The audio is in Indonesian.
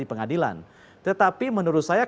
di pengadilan tetapi menurut saya